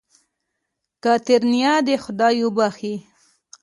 کاتېرينا دې خداى وبښي.